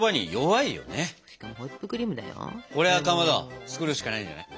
これはかまど作るしかないんじゃない？